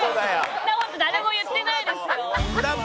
そんな事誰も言ってないですよ。